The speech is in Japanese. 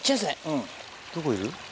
うんどこいる？